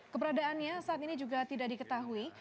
keberadaannya saat ini juga tidak diketahui